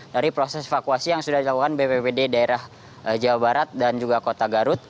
dari proses evakuasi yang sudah dilakukan bppd daerah jawa barat dan juga kota garut